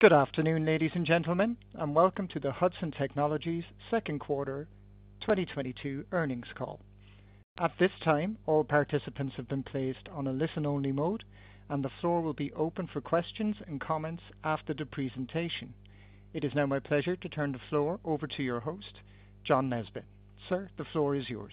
Good afternoon, ladies and gentlemen, and welcome to the Hudson Technologies Second Quarter 2022 earnings call. At this time, all participants have been placed on a listen-only mode, and the floor will be open for questions and comments after the presentation. It is now my pleasure to turn the floor over to your host, John Nesbett. Sir, the floor is yours.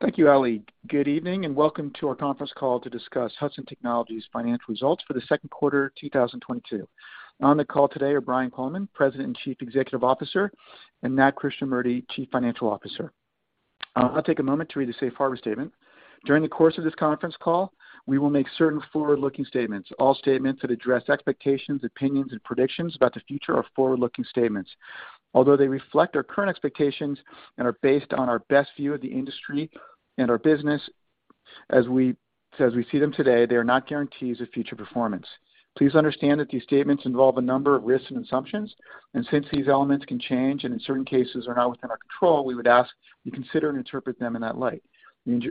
Thank you, Ali. Good evening, and welcome to our conference call to discuss Hudson Technologies financial results for the second quarter 2022. On the call today are Brian Coleman, President and Chief Executive Officer, and Nat Krishnamurti, Chief Financial Officer. I'll take a moment to read the safe harbor statement. During the course of this conference call, we will make certain forward-looking statements. All statements that address expectations, opinions, and predictions about the future are forward-looking statements. Although they reflect our current expectations and are based on our best view of the industry and our business as we see them today, they are not guarantees of future performance. Please understand that these statements involve a number of risks and assumptions, and since these elements can change and in certain cases are not within our control, we would ask you consider and interpret them in that light.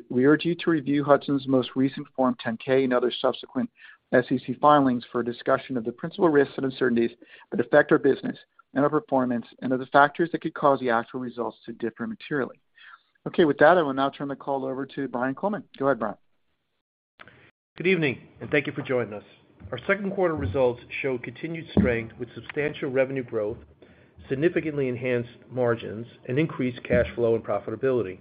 We urge you to review Hudson's most recent Form 10-K and other subsequent SEC filings for a discussion of the principal risks and uncertainties that affect our business and our performance and other factors that could cause the actual results to differ materially. Okay, with that, I will now turn the call over to Brian Coleman. Go ahead, Brian. Good evening, and thank you for joining us. Our second quarter results show continued strength with substantial revenue growth, significantly enhanced margins, and increased cash flow and profitability.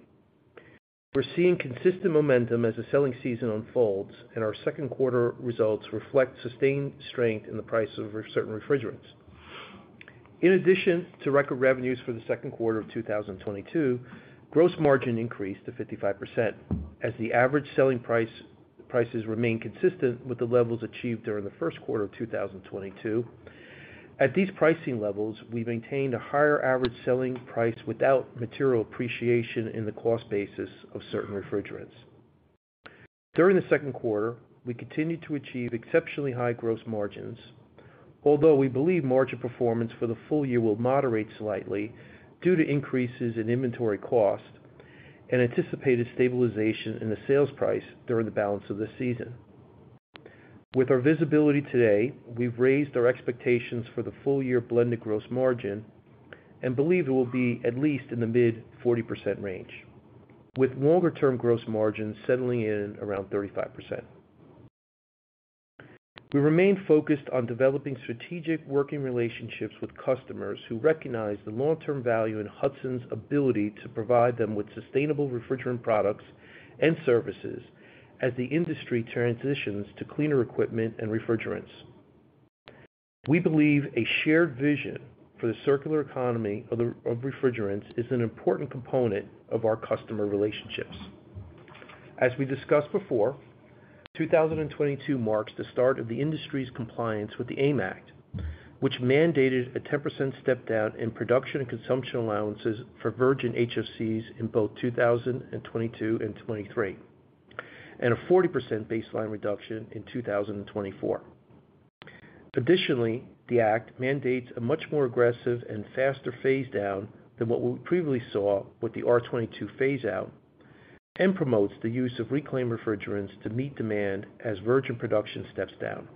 We're seeing consistent momentum as the selling season unfolds, and our second quarter results reflect sustained strength in the price of certain refrigerants. In addition to record revenues for the second quarter of 2022, gross margin increased to 55% as the average selling prices remain consistent with the levels achieved during the first quarter of 2022. At these pricing levels, we've maintained a higher average selling price without material appreciation in the cost basis of certain refrigerants. During the second quarter, we continued to achieve exceptionally high gross margins, although we believe margin performance for the full year will moderate slightly due to increases in inventory cost and anticipated stabilization in the sales price during the balance of the season. With our visibility today, we've raised our expectations for the full year blended gross margin and believe it will be at least in the mid-40% range, with longer term gross margin settling in around 35%. We remain focused on developing strategic working relationships with customers who recognize the long-term value in Hudson's ability to provide them with sustainable refrigerant products and services as the industry transitions to cleaner equipment and refrigerants. We believe a shared vision for the circular economy of refrigerants is an important component of our customer relationships. As we discussed before, 2022 marks the start of the industry's compliance with the AIM Act, which mandated a 10% step down in production and consumption allowances for virgin HFCs in both 2022 and 2023, and a 40% baseline reduction in 2024. Additionally, the act mandates a much more aggressive and faster phase down than what we previously saw with the R22 phase out, and promotes the use of reclaimed refrigerants to meet demand as virgin production steps down.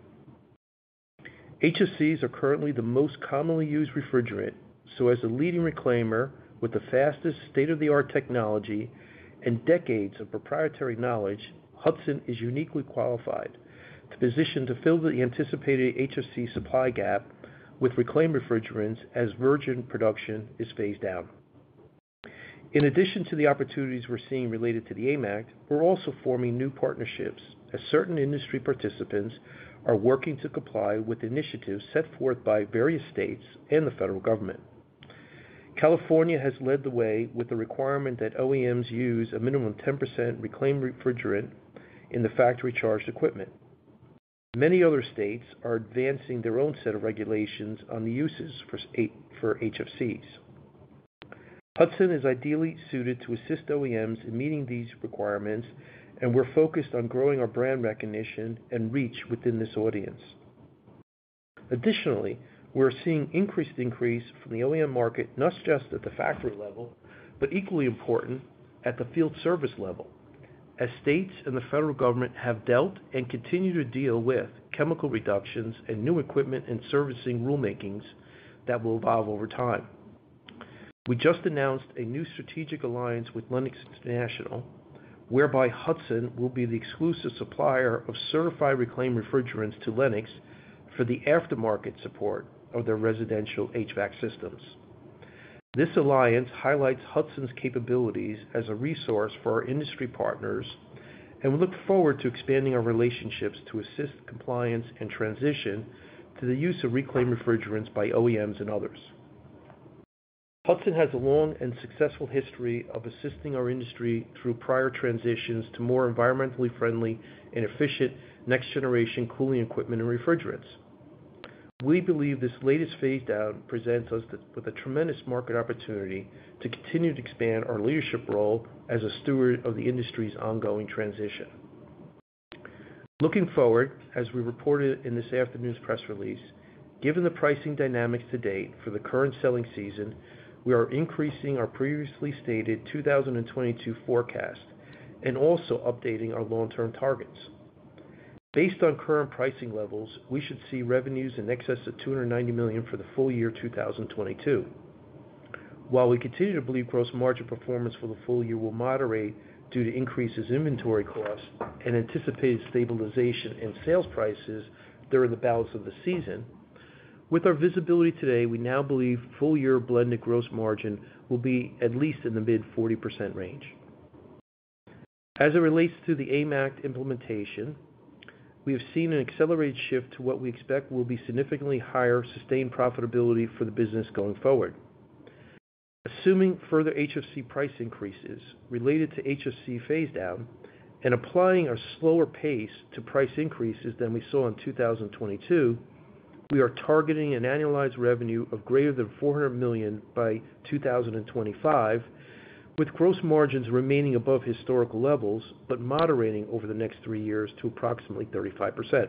HFCs are currently the most commonly used refrigerant, so as a leading reclaimer with the fastest state-of-the-art technology and decades of proprietary knowledge, Hudson is uniquely qualified to position to fill the anticipated HFC supply gap with reclaimed refrigerants as virgin production is phased out. In addition to the opportunities we're seeing related to the AIM Act, we're also forming new partnerships as certain industry participants are working to comply with initiatives set forth by various states and the federal government. California has led the way with the requirement that OEMs use a minimum 10% reclaimed refrigerant in the factory charged equipment. Many other states are advancing their own set of regulations on the uses for HFCs. Hudson is ideally suited to assist OEMs in meeting these requirements, and we're focused on growing our brand recognition and reach within this audience. Additionally, we're seeing increased from the OEM market, not just at the factory level, but equally important at the field service level as states and the federal government have dealt and continue to deal with chemical reductions and new equipment and servicing rulemakings that will evolve over time. We just announced a new strategic alliance with Lennox International, whereby Hudson will be the exclusive supplier of certified reclaimed refrigerants to Lennox for the aftermarket support of their residential HVAC systems. This alliance highlights Hudson's capabilities as a resource for our industry partners, and we look forward to expanding our relationships to assist compliance and transition to the use of reclaimed refrigerants by OEMs and others. Hudson has a long and successful history of assisting our industry through prior transitions to more environmentally friendly and efficient next generation cooling equipment and refrigerants. We believe this latest phase down presents us with a tremendous market opportunity to continue to expand our leadership role as a steward of the industry's ongoing transition. Looking forward, as we reported in this afternoon's press release. Given the pricing dynamics to date for the current selling season, we are increasing our previously stated 2022 forecast and also updating our long-term targets. Based on current pricing levels, we should see revenues in excess of $290 million for the full year 2022. While we continue to believe gross margin performance for the full year will moderate due to increases inventory costs and anticipated stabilization in sales prices during the balance of the season, with our visibility today, we now believe full year blended gross margin will be at least in the mid-40% range. As it relates to the AIM Act implementation, we have seen an accelerated shift to what we expect will be significantly higher sustained profitability for the business going forward. Assuming further HFC price increases related to HFC phase down and applying a slower pace to price increases than we saw in 2022, we are targeting an annualized revenue of greater than $400 million by 2025, with gross margins remaining above historical levels, but moderating over the next three years to approximately 35%.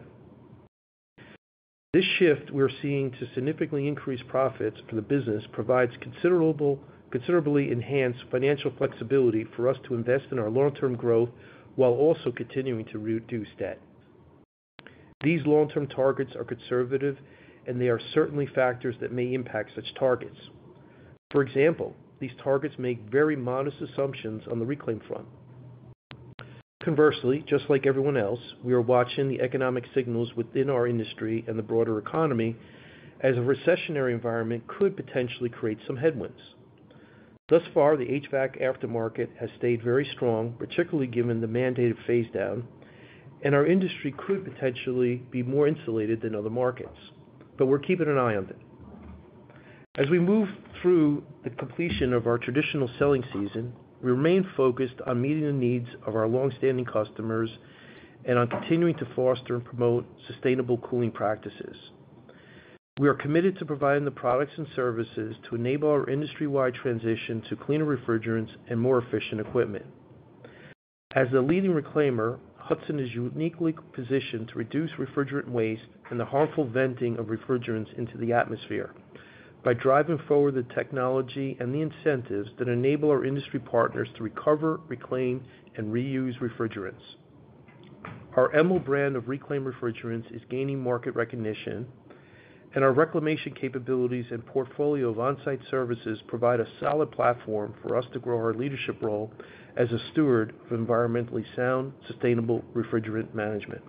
This shift we're seeing to significantly increase profits for the business provides considerable, considerably enhanced financial flexibility for us to invest in our long-term growth while also continuing to reduce debt. These long-term targets are conservative, and there are certainly factors that may impact such targets. For example, these targets make very modest assumptions on the reclaim front. Conversely, just like everyone else, we are watching the economic signals within our industry and the broader economy as a recessionary environment could potentially create some headwinds. Thus far, the HVAC aftermarket has stayed very strong, particularly given the mandated phase down, and our industry could potentially be more insulated than other markets, but we're keeping an eye on it. As we move through the completion of our traditional selling season, we remain focused on meeting the needs of our long-standing customers and on continuing to foster and promote sustainable cooling practices. We are committed to providing the products and services to enable our industry-wide transition to cleaner refrigerants and more efficient equipment. As the leading reclaimer, Hudson is uniquely positioned to reduce refrigerant waste and the harmful venting of refrigerants into the atmosphere by driving forward the technology and the incentives that enable our industry partners to recover, reclaim, and reuse refrigerants. Our EMERALD brand of reclaimed refrigerants is gaining market recognition, and our reclamation capabilities and portfolio of on-site services provide a solid platform for us to grow our leadership role as a steward of environmentally sound, sustainable refrigerant management.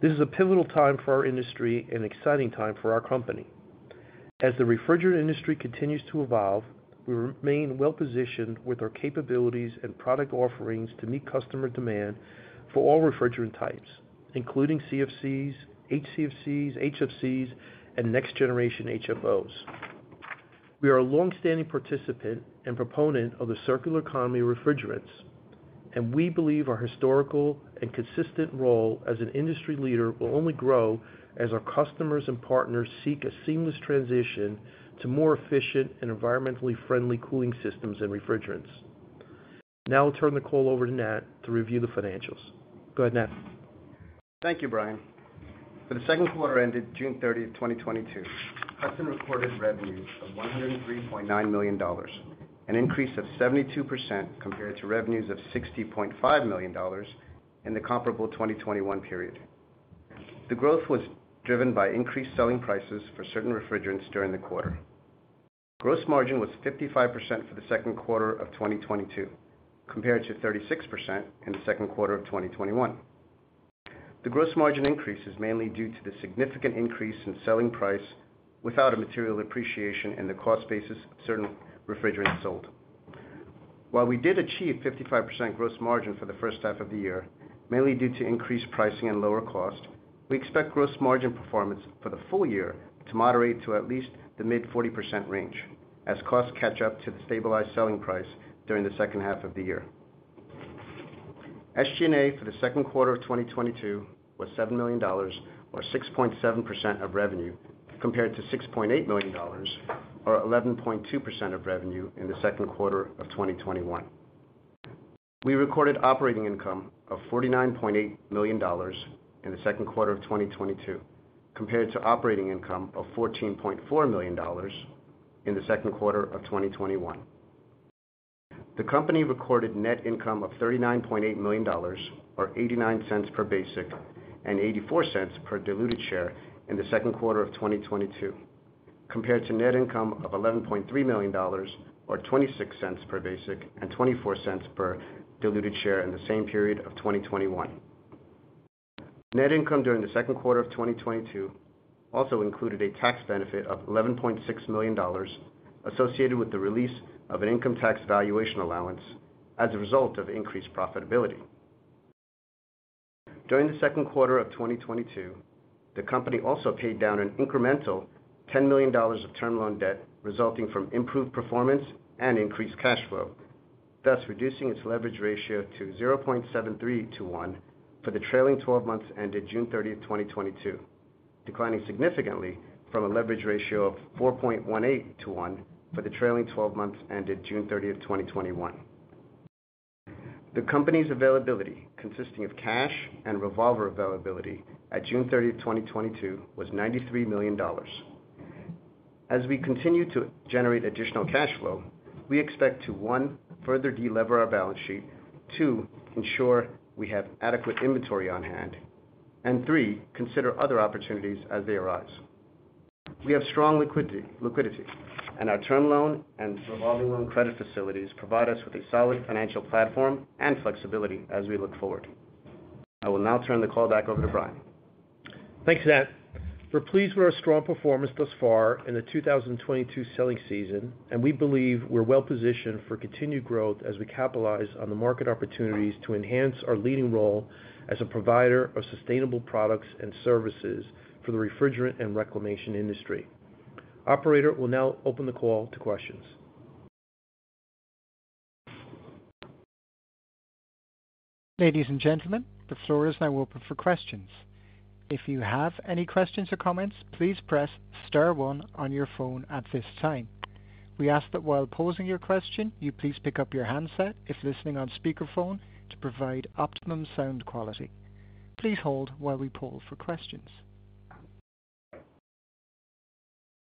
This is a pivotal time for our industry and exciting time for our company. As the refrigerant industry continues to evolve, we remain well-positioned with our capabilities and product offerings to meet customer demand for all refrigerant types, including CFCs, HCFCs, HFCs, and next generation HFOs. We are a long-standing participant and proponent of the circular economy of refrigerants, and we believe our historical and consistent role as an industry leader will only grow as our customers and partners seek a seamless transition to more efficient and environmentally friendly cooling systems and refrigerants. Now I'll turn the call over to Nat to review the financials. Go ahead, Nat. Thank you, Brian. For the second quarter ended June 30, 2022, Hudson recorded revenues of $103.9 million, an increase of 72% compared to revenues of $60.5 million in the comparable 2021 period. The growth was driven by increased selling prices for certain refrigerants during the quarter. Gross margin was 55% for the second quarter of 2022, compared to 36% in the second quarter of 2021. The gross margin increase is mainly due to the significant increase in selling price without a material appreciation in the cost basis of certain refrigerants sold. While we did achieve 55% gross margin for the first half of the year, mainly due to increased pricing and lower cost, we expect gross margin performance for the full year to moderate to at least the mid-40% range as costs catch up to the stabilized selling price during the second half of the year. SG&A for the second quarter of 2022 was $7 million or 6.7% of revenue, compared to $6.8 million or 11.2% of revenue in the second quarter of 2021. We recorded operating income of $49.8 million in the second quarter of 2022, compared to operating income of $14.4 million in the second quarter of 2021. The company recorded net income of $39.8 million or $0.89 per basic and $0.84 per diluted share in the second quarter of 2022, compared to net income of $11.3 million or $0.26 per basic and $0.24 per diluted share in the same period of 2021. Net income during the second quarter of 2022 also included a tax benefit of $11.6 million associated with the release of an income tax valuation allowance as a result of increased profitability. During the second quarter of 2022, the company also paid down an incremental $10 million of term loan debt resulting from improved performance and increased cash flow, thus reducing its leverage ratio to 0.73 to one for the trailing twelve months ended June 30, 2022, declining significantly from a leverage ratio of 4.18 to one for the trailing twelve months ended June 30, 2021. The company's availability consisting of cash and revolver availability at June 30, 2022 was $93 million. As we continue to generate additional cash flow, we expect to, one, further delever our balance sheet. Two, ensure we have adequate inventory on hand. Three, consider other opportunities as they arise. We have strong liquidity, and our term loan and revolving loan credit facilities provide us with a solid financial platform and flexibility as we look forward. I will now turn the call back over to Brian. Thanks, Nat. We're pleased with our strong performance thus far in the 2022 selling season, and we believe we're well positioned for continued growth as we capitalize on the market opportunities to enhance our leading role as a provider of sustainable products and services for the refrigerant and reclamation industry. Operator, we'll now open the call to questions. Ladies and gentlemen, the floor is now open for questions. If you have any questions or comments, please press star one on your phone at this time. We ask that while posing your question, you please pick up your handset if listening on speakerphone to provide optimum sound quality. Please hold while we poll for questions.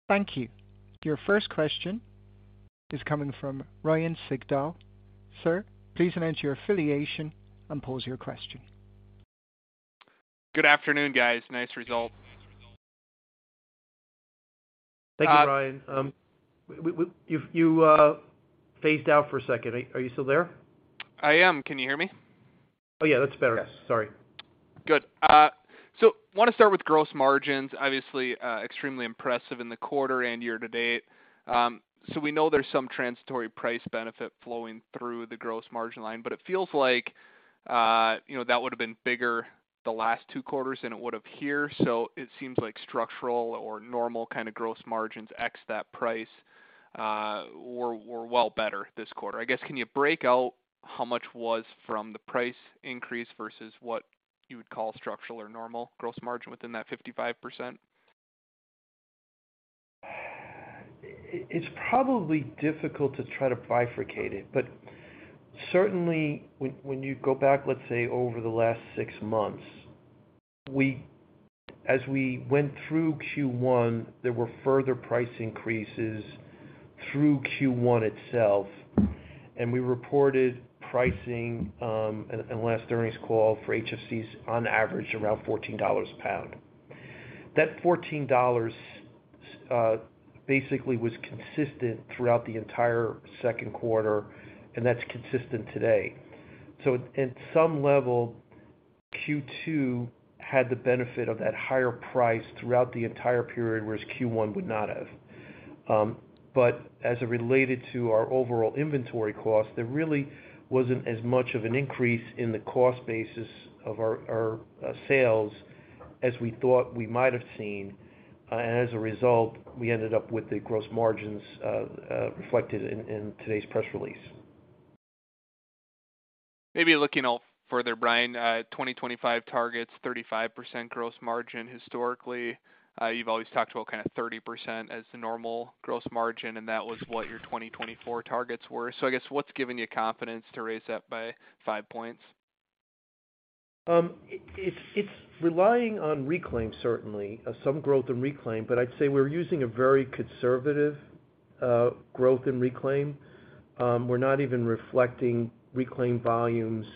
Thank you. Your first question is coming from Ryan Sigdahl. Sir, please state your affiliation and pose your question. Good afternoon, guys. Nice result. Thank you, Ryan. You phased out for a second. Are you still there? I am. Can you hear me? Oh, yeah, that's better. Sorry. Good. Wanna start with gross margins, obviously, extremely impressive in the quarter and year to date. We know there's some transitory price benefit flowing through the gross margin line, but it feels like, you know, that would have been bigger the last two quarters than it would have here. It seems like structural or normal kinda gross margins ex that price were well better this quarter. I guess, can you break out how much was from the price increase versus what you would call structural or normal gross margin within that 55%? It's probably difficult to try to bifurcate it, but certainly when you go back, let's say, over the last six months, as we went through Q1, there were further price increases through Q1 itself, and we reported pricing in last earnings call for HFCs on average around $14 a pound. That $14 basically was consistent throughout the entire second quarter, and that's consistent today. At some level, Q2 had the benefit of that higher price throughout the entire period, whereas Q1 would not have. As it related to our overall inventory cost, there really wasn't as much of an increase in the cost basis of our sales as we thought we might have seen. As a result, we ended up with the gross margins reflected in today's press release. Maybe looking out further, Brian, 2025 targets, 35% gross margin historically. You've always talked about kinda 30% as the normal gross margin, and that was what your 2024 targets were. I guess what's giving you confidence to raise that by five points? It's relying on reclaim, certainly. Some growth in reclaim, but I'd say we're using a very conservative growth in reclaim. We're not even reflecting reclaim volumes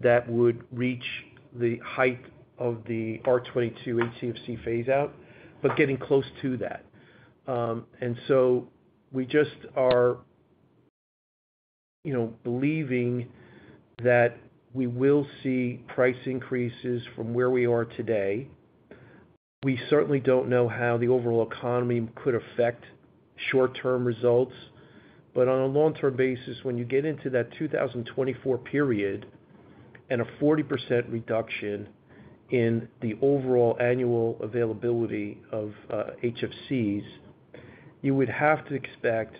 that would reach the height of the R-22 HCFC phase out, but getting close to that. We just are, you know, believing that we will see price increases from where we are today. We certainly don't know how the overall economy could affect short-term results. On a long-term basis, when you get into that 2024 period and a 40% reduction in the overall annual availability of HFCs, you would have to expect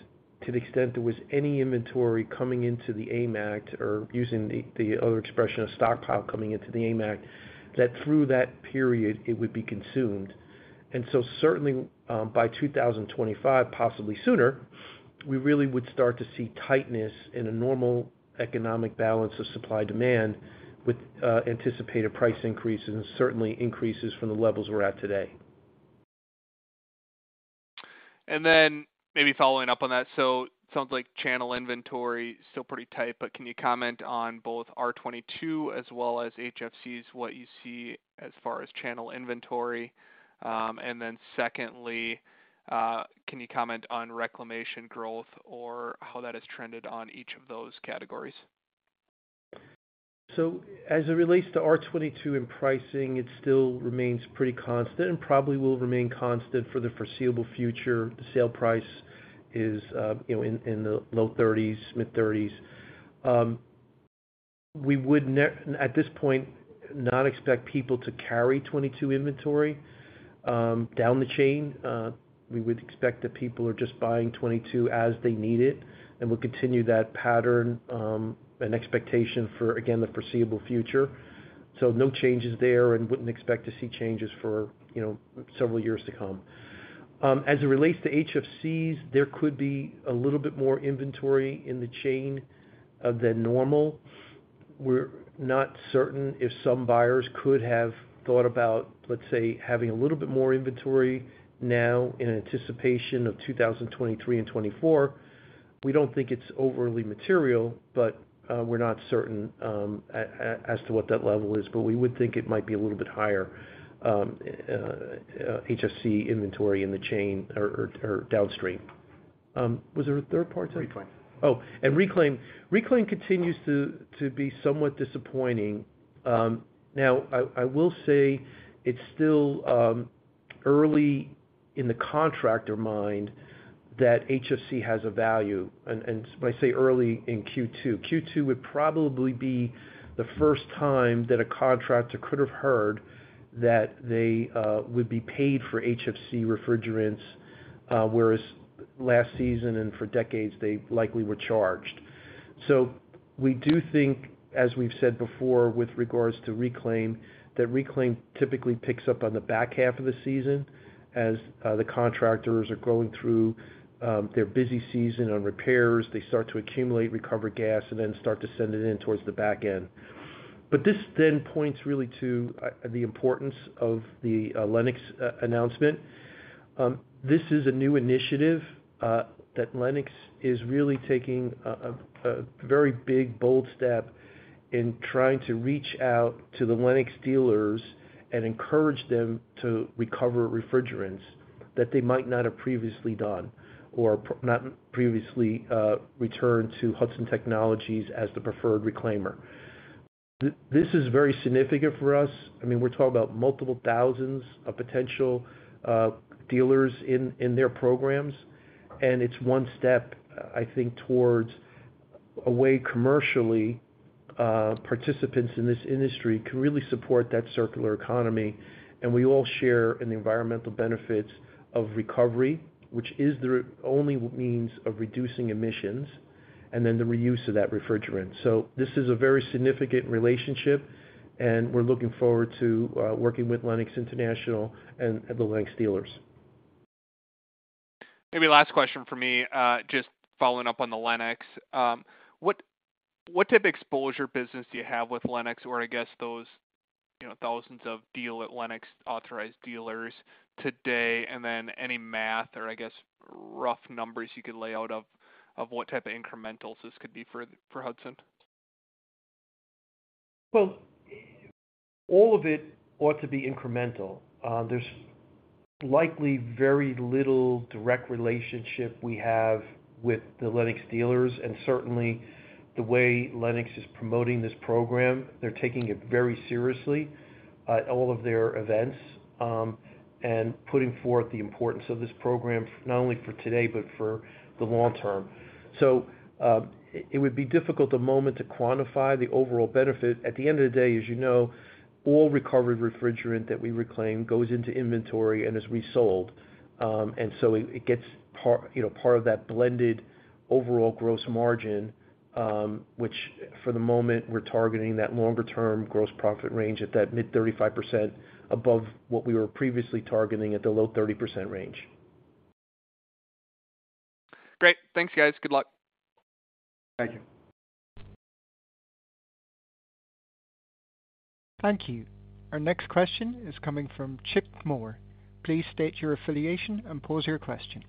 to the extent there was any inventory coming into the AIM Act or using the other expression of stockpile coming into the AIM Act, that through that period, it would be consumed. Certainly, by 2025, possibly sooner, we really would start to see tightness in a normal economic balance of supply demand with anticipated price increases, certainly increases from the levels we're at today. Maybe following up on that. Sounds like channel inventory is still pretty tight, but can you comment on both R-22 as well as HFCs, what you see as far as channel inventory? Secondly, can you comment on reclamation growth or how that has trended on each of those categories? As it relates to R-22 in pricing, it still remains pretty constant and probably will remain constant for the foreseeable future. The sale price is, you know, in the low $30s, mid-$30s. We would at this point not expect people to carry 22 inventory down the chain. We would expect that people are just buying 22 as they need it, and we'll continue that pattern and expectation for, again, the foreseeable future. No changes there and wouldn't expect to see changes for, you know, several years to come. As it relates to HFCs, there could be a little bit more inventory in the chain than normal. We're not certain if some buyers could have thought about, let's say, having a little bit more inventory now in anticipation of 2023 and 2024. We don't think it's overly material, but we're not certain as to what that level is. We would think it might be a little bit higher HFC inventory in the chain or downstream. Was there a third part to that? Reclaim. Reclaim continues to be somewhat disappointing. Now I will say it's still early in the contractor mind that HFC has a value, and when I say early in Q2. Q2 would probably be the first time that a contractor could have heard that they would be paid for HFC refrigerants, whereas last season and for decades, they likely were charged. We do think, as we've said before, with regards to reclaim, that reclaim typically picks up on the back half of the season as the contractors are going through their busy season on repairs. They start to accumulate recovered gas and then start to send it in towards the back end. This then points really to the importance of the Lennox announcement. This is a new initiative that Lennox is really taking a very big, bold step in trying to reach out to the Lennox dealers and encourage them to recover refrigerants that they might not have previously done or not previously returned to Hudson Technologies as the preferred reclaimer. This is very significant for us. I mean, we're talking about multiple thousands of potential dealers in their programs, and it's one step, I think, towards a way commercially participants in this industry can really support that circular economy. We all share in the environmental benefits of recovery, which is the only means of reducing emissions, and then the reuse of that refrigerant. This is a very significant relationship, and we're looking forward to working with Lennox International and the Lennox dealers. Maybe last question from me, just following up on the Lennox. What type of exposure business do you have with Lennox or I guess those, you know, thousands of deals at Lennox authorized dealers today? Any math or I guess rough numbers you could lay out of what type of incrementals this could be for Hudson? Well, all of it ought to be incremental. There's likely very little direct relationship we have with the Lennox dealers. Certainly, the way Lennox is promoting this program, they're taking it very seriously at all of their events, and putting forth the importance of this program not only for today but for the long term. It would be difficult at the moment to quantify the overall benefit. At the end of the day, as you know, all recovered refrigerant that we reclaim goes into inventory and is resold. It gets, you know, part of that blended overall gross margin, which for the moment we're targeting that longer term gross profit range at that mid 35% above what we were previously targeting at the low 30% range. Great. Thanks, guys. Good luck. Thank you. Thank you. Our next question is coming from Chip Moore. Please state your affiliation and pose your question.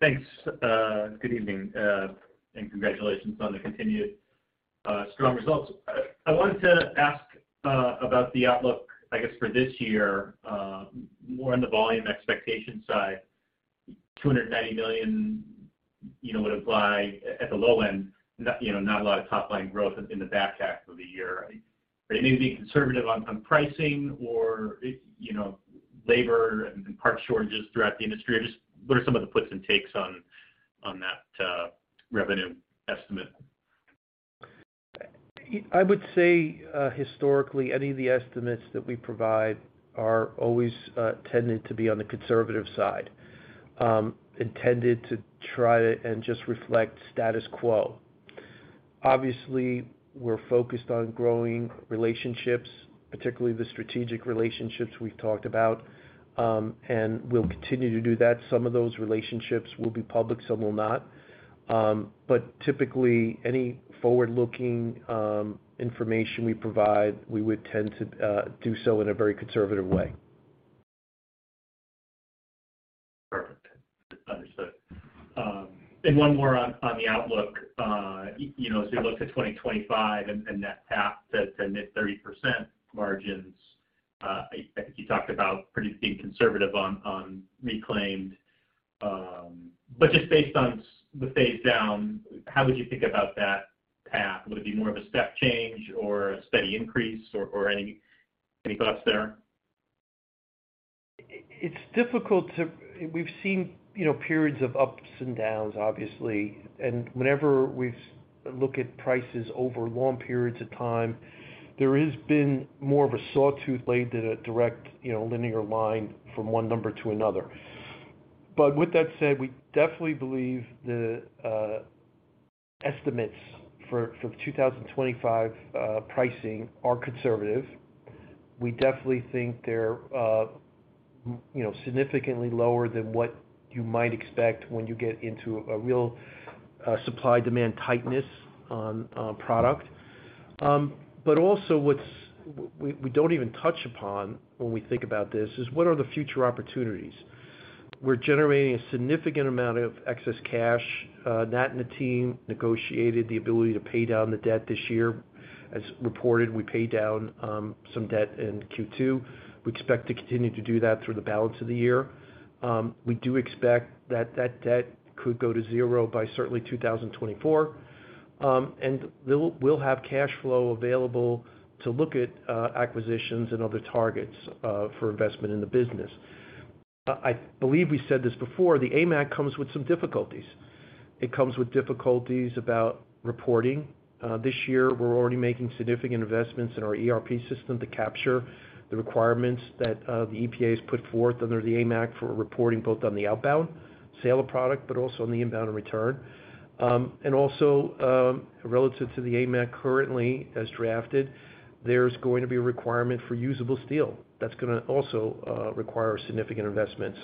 Thanks, good evening, and congratulations on the continued strong results. I wanted to ask about the outlook, I guess, for this year, more on the volume expectation side. $290 million, you know, would imply at the low end, not, you know, not a lot of top-line growth in the back half of the year. Are you maybe being conservative on pricing or, you know, labor and part shortages throughout the industry? Or just what are some of the puts and takes on that revenue estimate? I would say, historically, any of the estimates that we provide are always tended to be on the conservative side, intended to try and just reflect status quo. Obviously, we're focused on growing relationships, particularly the strategic relationships we've talked about, and we'll continue to do that. Some of those relationships will be public, some will not. Typically any forward-looking information we provide, we would tend to do so in a very conservative way. Perfect. Understood. One more on the outlook. You know, as we look to 2025 and that path to mid-30% margins. I think you talked about being pretty conservative on reclaimed. Just based on the phase down, how would you think about that path? Would it be more of a step change or a steady increase or any thoughts there? We've seen, you know, periods of ups and downs, obviously. Whenever we look at prices over long periods of time, there has been more of a sawtooth blade than a direct, you know, linear line from one number to another. With that said, we definitely believe the estimates for the 2025 pricing are conservative. We definitely think they're, you know, significantly lower than what you might expect when you get into a real supply-demand tightness on product. But also what we don't even touch upon when we think about this is what are the future opportunities? We're generating a significant amount of excess cash. Nat and the team negotiated the ability to pay down the debt this year. As reported, we paid down some debt in Q2. We expect to continue to do that through the balance of the year. We do expect that debt could go to zero by certainly 2024. We'll have cash flow available to look at acquisitions and other targets for investment in the business. I believe we said this before, the AIM Act comes with some difficulties. It comes with difficulties about reporting. This year we're already making significant investments in our ERP system to capture the requirements that the EPA has put forth under the AIM Act for reporting both on the outbound sale of product, but also on the inbound and return. Relative to the AIM Act currently as drafted, there's going to be a requirement for reusable cylinders. That's gonna also require significant investment.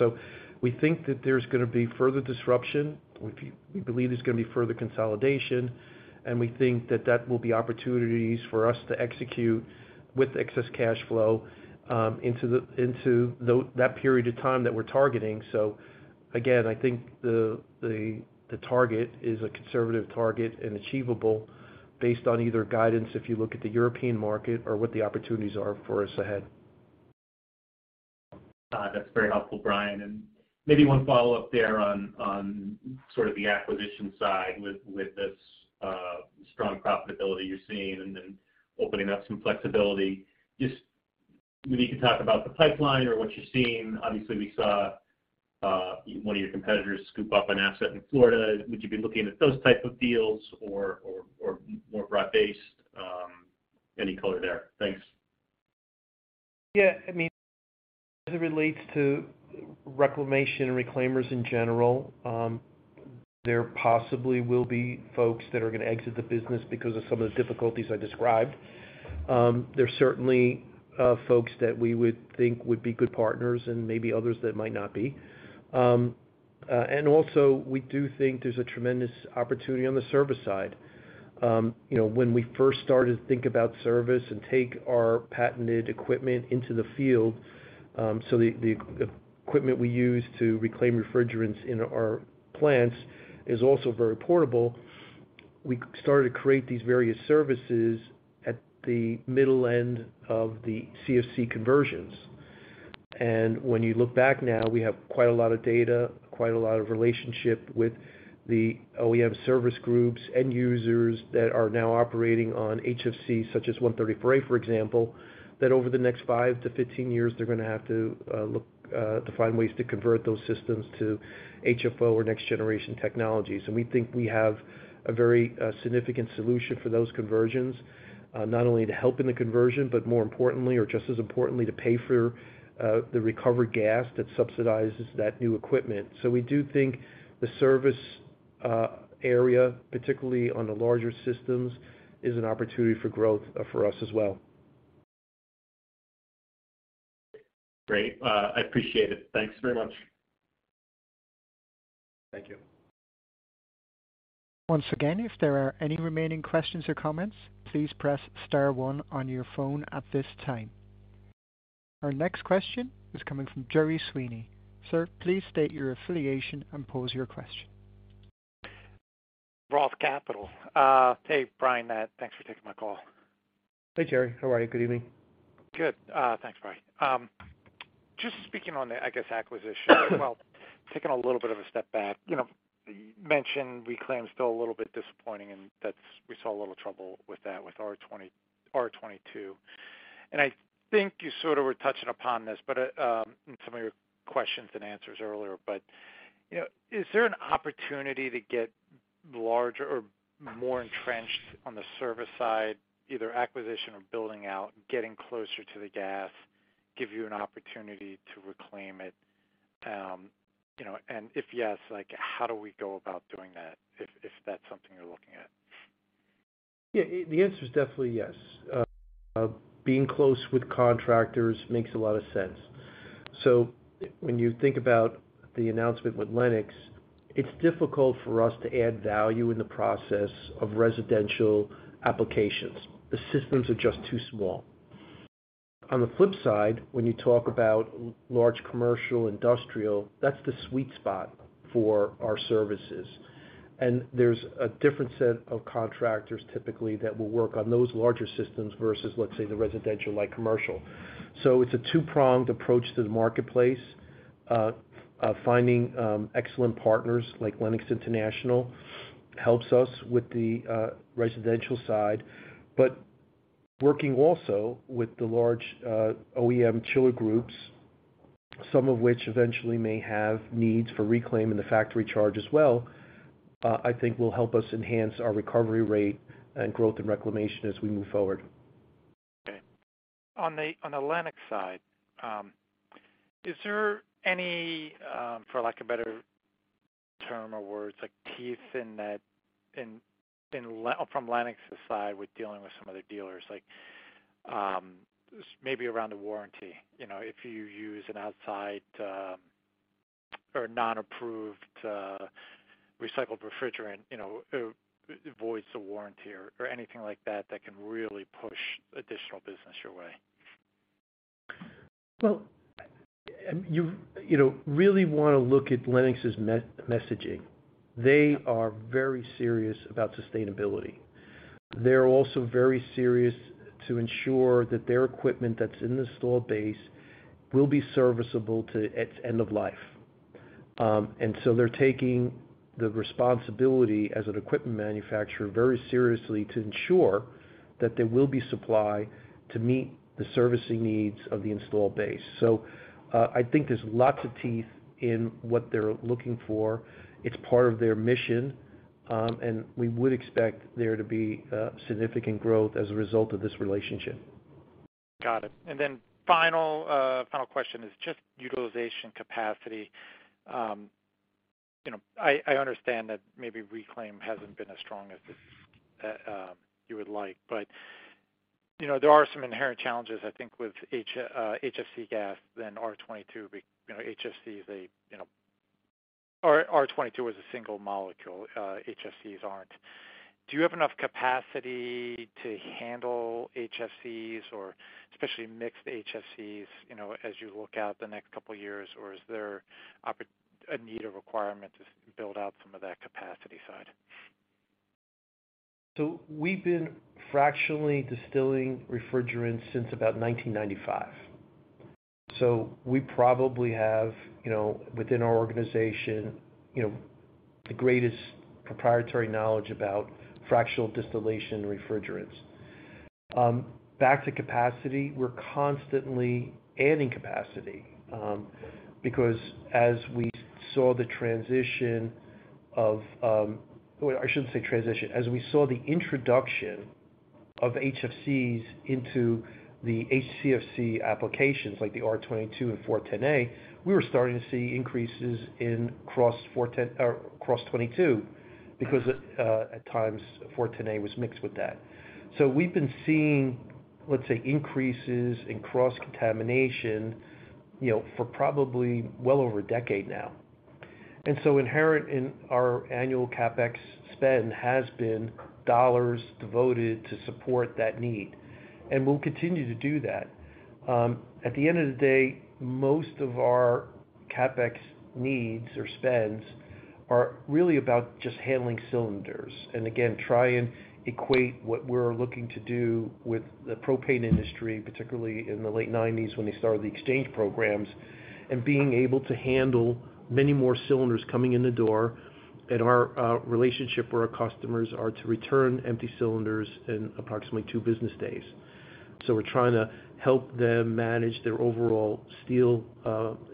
We think that there's gonna be further disruption. We believe there's gonna be further consolidation, and we think that will be opportunities for us to execute with excess cash flow into that period of time that we're targeting. Again, I think the target is a conservative target and achievable based on either guidance if you look at the European market or what the opportunities are for us ahead. That's very helpful, Brian. Maybe one follow-up there on sort of the acquisition side with this strong profitability you're seeing and then opening up some flexibility. Just maybe you can talk about the pipeline or what you're seeing. Obviously, we saw one of your competitors scoop up an asset in Florida. Would you be looking at those type of deals or more broad-based? Any color there? Thanks. Yeah. I mean, as it relates to reclamation and reclaimers in general, there possibly will be folks that are gonna exit the business because of some of the difficulties I described. There's certainly folks that we would think would be good partners and maybe others that might not be. And also we do think there's a tremendous opportunity on the service side. You know, when we first started to think about service and take our patented equipment into the field, so the equipment we use to reclaim refrigerants in our plants is also very portable. We started to create these various services at the middle end of the CFC conversions. When you look back now, we have quite a lot of data, quite a lot of relationship with the OEM service groups, end users that are now operating on HFC, such as R-134a, for example, that over the next five-15 years, they're gonna have to look to find ways to convert those systems to HFO or next generation technologies. We think we have a very significant solution for those conversions, not only to help in the conversion, but more importantly or just as importantly, to pay for the recovered gas that subsidizes that new equipment. We do think the service area, particularly on the larger systems, is an opportunity for growth for us as well. Great. I appreciate it. Thanks very much. Thank you. Once again, if there are any remaining questions or comments, please press star one on your phone at this time. Our next question is coming from Gerry Sweeney. Sir, please state your affiliation and pose your question. Roth Capital. Hey, Brian. Thanks for taking my call. Hey, Gerry. How are you? Good evening. Good. Thanks, Brian. Just speaking on the, I guess, acquisition. Well, taking a little bit of a step back. You know, you mentioned reclaim is still a little bit disappointing, and that's. We saw a little trouble with that with R-22. I think you sort of were touching upon this, but in some of your questions and answers earlier, but you know, is there an opportunity to get larger or more entrenched on the service side, either acquisition or building out, getting closer to the gas, give you an opportunity to reclaim it? You know, and if yes, like, how do we go about doing that if that's something you're looking at? Yeah. The answer is definitely yes. Being close with contractors makes a lot of sense. When you think about the announcement with Lennox, it's difficult for us to add value in the process of residential applications. The systems are just too small. On the flip side, when you talk about large commercial, industrial, that's the sweet spot for our services. There's a different set of contractors typically that will work on those larger systems versus, let's say, the residential light commercial. It's a two-pronged approach to the marketplace. Finding excellent partners like Lennox International helps us with the residential side. Working also with the large, OEM chiller groups, some of which eventually may have needs for reclaim in the factory charge as well, I think will help us enhance our recovery rate and growth in reclamation as we move forward. Okay. On the Lennox side, is there any for lack of a better term or words like teeth in that from Lennox's side with dealing with some other dealers? Like, maybe around the warranty. You know, if you use an outside or non-approved recycled refrigerant, you know, it voids the warranty or anything like that can really push additional business your way. Well, you know, really wanna look at Lennox's messaging. They are very serious about sustainability. They're also very serious to ensure that their equipment that's in the installed base will be serviceable to its end of life. They're taking the responsibility as an equipment manufacturer very seriously to ensure that there will be supply to meet the servicing needs of the installed base. I think there's lots of teeth in what they're looking for. It's part of their mission. We would expect there to be significant growth as a result of this relationship. Got it. Final question is just utilization capacity. You know, I understand that maybe reclaim hasn't been as strong as you would like, but you know, there are some inherent challenges, I think, with HFC gas than R-22. You know, HFC is a, you know, R-22 is a single molecule, HFCs aren't. Do you have enough capacity to handle HFCs or especially mixed HFCs, you know, as you look out the next couple years? Or is there a need or requirement to build out some of that capacity side? We've been fractionally distilling refrigerants since about 1995. We probably have, you know, within our organization, you know, the greatest proprietary knowledge about fractional distillation refrigerants. Back to capacity, we're constantly adding capacity, because as we saw the introduction of HFCs into the HCFC applications like the R-22 and R-410A, we were starting to see increases in cross 410A or cross 22 because at times R-410A was mixed with that. We've been seeing, let's say, increases in cross-contamination, you know, for probably well over a decade now. Inherent in our annual CapEx spend has been dollars devoted to support that need, and we'll continue to do that. At the end of the day, most of our CapEx needs or spends are really about just handling cylinders. Again, try and equate what we're looking to do with the propane industry, particularly in the late nineties when they started the exchange programs and being able to handle many more cylinders coming in the door. Our relationship for our customers are to return empty cylinders in approximately two business days. We're trying to help them manage their overall steel,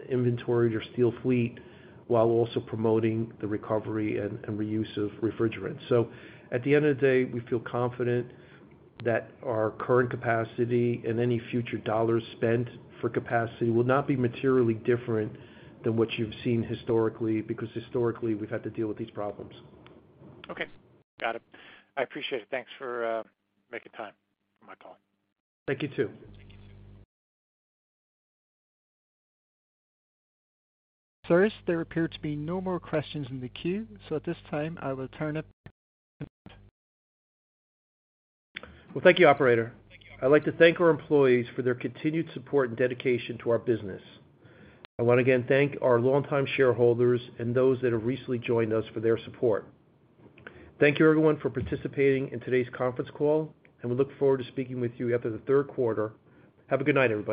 inventory or steel fleet, while also promoting the recovery and reuse of refrigerants. At the end of the day, we feel confident that our current capacity and any future dollars spent for capacity will not be materially different than what you've seen historically, because historically we've had to deal with these problems. Okay. Got it. I appreciate it. Thanks for making time for my call. Thank you, too. Sirs, there appear to be no more questions in the queue. At this time, I will turn it back to you. Well, thank you, operator. I'd like to thank our employees for their continued support and dedication to our business. I wanna again thank our longtime shareholders and those that have recently joined us for their support. Thank you everyone for participating in today's conference call, and we look forward to speaking with you after the third quarter. Have a good night, everybody.